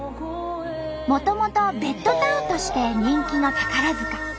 もともとベッドタウンとして人気の宝塚。